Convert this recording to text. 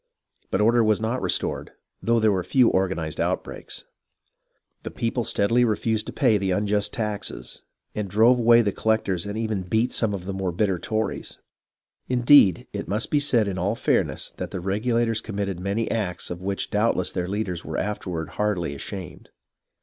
But order was not restored, though there were few organized outbreaks. The people steadily refused to pay the unjust taxes, and drove away the collectors and even beat some of the inore bitter Tories. Indeed, it must be said in all fairness that the Regulators committed many acts of which doubtless their leaders were afterward heartily ashamed.